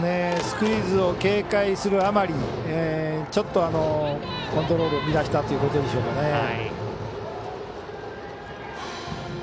スクイズを警戒するあまりちょっと、コントロール乱したということでしょうかね。